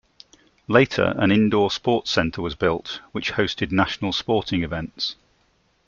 Later an indoor sports centre was built, which hosted national sporting events.